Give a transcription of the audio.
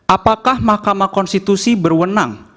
apakah mahkamah konstitusi berwenang